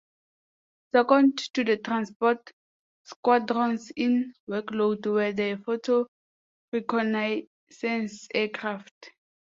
Second to the transport squadrons in workload were the photo reconnaissance aircraft.